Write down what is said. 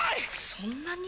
そんなに！？